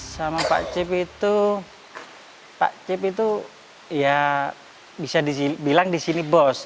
sama pak cip itu pak cip itu ya bisa dibilang di sini bos